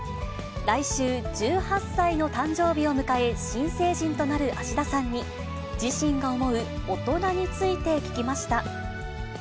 来週１８歳の誕生日を迎え、新成人となる芦田さんに、自身が思う大人について聞きました。